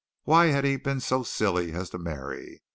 Why had he been so silly as to marry?